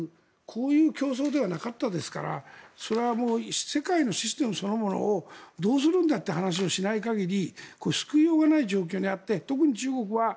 こういう競争ではなかったですからそれはもう世界のシステムそのものをどうするんだという話をしない限り救いようがない状況にあって特に中国は